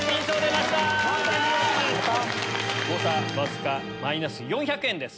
また⁉誤差わずかマイナス４００円です。